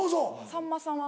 さんまさん。